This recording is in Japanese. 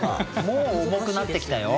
もう重くなってきたよ！